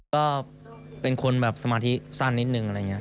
ก็เป็นคนสมาธิสั้นนิดหนึ่ง